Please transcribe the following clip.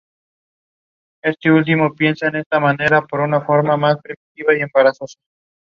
Las inflorescencias presentan una sola flor, son laterales, cortas o largas.